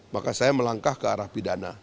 maka saya melangkah ke arah pidana